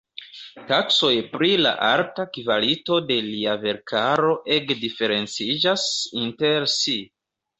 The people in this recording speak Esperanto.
Taksoj pri la arta kvalito de lia verkaro ege diferenciĝas inter si.